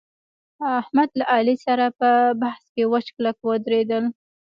احمد له علي سره په بحث کې وچ کلک ودرېدل